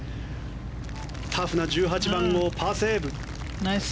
タフな１８番のパーセーブ。